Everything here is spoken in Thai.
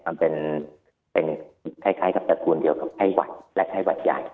มันเป็นคล้ายกับตระกูลเดียวกับไข้หวัดและไข้หวัดใหญ่